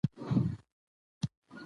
بازار د خلکو د اړتیاوو مرکز دی